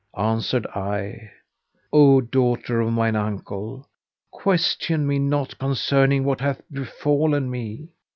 Answered I, "O daughter of mine uncle, question me not concerning what hath befallen me."